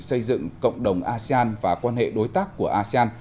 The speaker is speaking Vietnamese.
xây dựng cộng đồng asean và quan hệ đối tác của asean